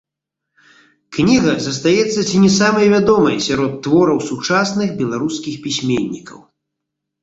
Кніга застаецца ці не самай вядомай сярод твораў сучасных беларускіх пісьменнікаў.